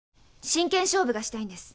真剣勝負がしたいんです。